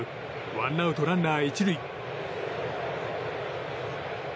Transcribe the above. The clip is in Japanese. ワンアウト、ランナー１塁。